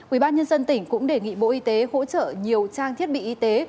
ubnd tỉnh cũng đề nghị bộ y tế hỗ trợ nhiều trang thiết bị y tế